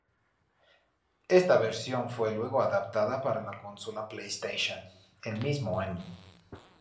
Esta versión fue luego adaptada para la consola PlayStation el mismo año.